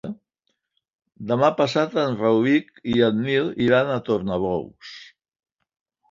Demà passat en Rauric i en Nil iran a Tornabous.